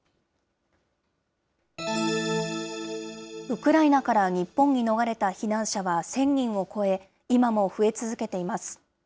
ウクライナから日本に逃れた避難者は１０００人を超え、今も増え続けています。